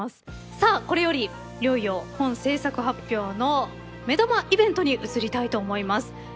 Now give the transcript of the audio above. さあこれよりいよいよ本制作発表の目玉イベントに移りたいと思います。